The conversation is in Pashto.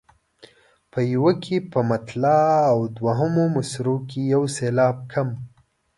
په یوه کې په مطلع او دوهمو مصرعو کې یو سېلاب کم.